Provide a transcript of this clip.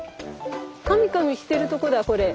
カミカミしてるとこだこれ。